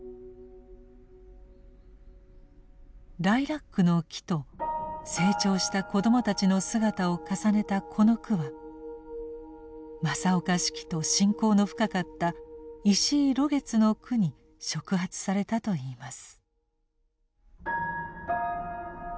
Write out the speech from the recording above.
ライラックの木と成長した子どもたちの姿を重ねたこの句は正岡子規と親交の深かった石井露月の句に触発されたといいます。